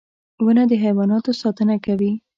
• ونه د حیواناتو ساتنه کوي.